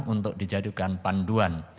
untuk dijadikan panduan